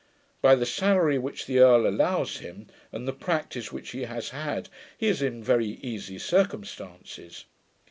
By the salary which the earl allows him, and the practice which he has had, he is in very easy circumstances.